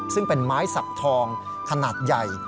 ซึ่งเป็นไม้สักทองขนาดใหญ่